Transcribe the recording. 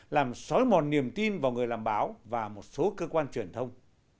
làm xói mòn niềm tin vào người làm báo và một số cơ quan truyền thông